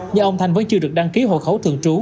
nhưng ông thanh vẫn chưa được đăng ký hộ khẩu thường trú